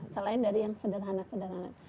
selain dari yang sederhana sederhana